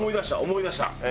思い出した！